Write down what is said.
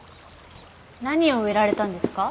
何を植えられたんですか？